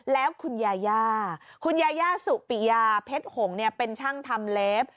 แล้วคุณยาย่าคุณยาย่าสุปิยาเพชรหงเป็นช่างทำเลฟ